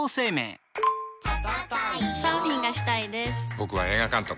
僕は映画監督。